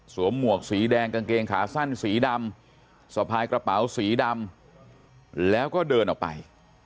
หมวกสีแดงกางเกงขาสั้นสีดำสะพายกระเป๋าสีดำแล้วก็เดินออกไป